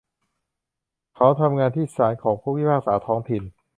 เขาทำงานที่ศาลของผู้พิพากษาท้องถิ่น